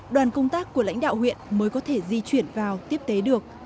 đoàn công tác của lãnh đạo huyện mới có thể di chuyển vào tiếp tế được